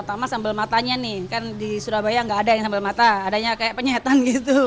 pertama sambal matanya nih kan di surabaya nggak ada yang sambal mata adanya kayak penyetan gitu